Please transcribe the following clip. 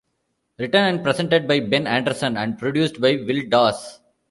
Written and presented by Ben Anderson, and produced by Will Daws.